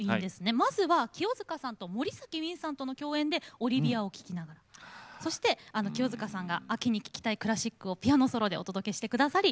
まずは清さんとＭＯＲＩＳＡＫＩＷＩＮさんとの共演で「オリビアを聴きなそして清さんが秋に聴きたいクラシックをピアノソロでお届けして下さり